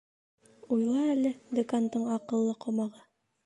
— Уйла әле, Декандың аҡыллы ҡомағы.